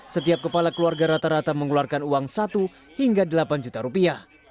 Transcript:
setiap kepala keluarga rata rata mengeluarkan uang satu hingga delapan juta rupiah